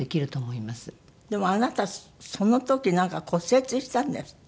でもあなたその時なんか骨折したんですって？